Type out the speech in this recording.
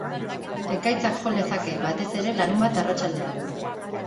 Ekaitzak jo lezake, batez ere larunbat arratsaldean.